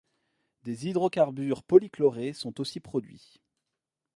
Des hydrocarbures polychlorés sont aussi produits.